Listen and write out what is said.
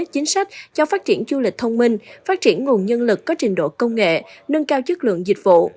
chính sách cho phát triển du lịch thông minh phát triển nguồn nhân lực có trình độ công nghệ nâng cao chất lượng dịch vụ